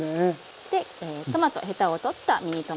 でトマトヘタを取ったミニトマトも入ります。